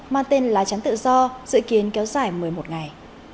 mang tên là trắng tự do dự kiến kéo dài một mươi một ngày